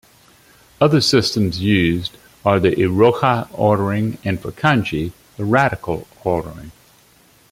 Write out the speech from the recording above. Other systems used are the "iroha" ordering, and, for kanji, the radical ordering.